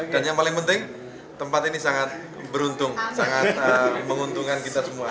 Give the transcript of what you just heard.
dan yang paling penting tempat ini sangat beruntung sangat menguntungkan kita semua